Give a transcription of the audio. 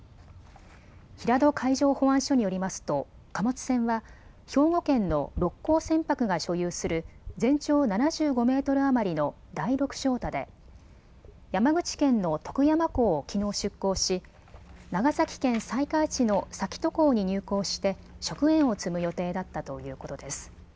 平戸海上保安署によりますと貨物船は兵庫県の六甲船舶が所有する全長７５メートル余りの第六翔太で山口県の徳山港をきのう出港し長崎県西海市の崎戸港に入港して食塩を積む予定だったということです。